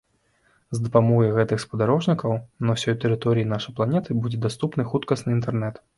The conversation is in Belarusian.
З дапамогай гэтых спадарожнікаў на ўсёй тэрыторыі нашай планеты будзе даступны хуткасны інтэрнэт.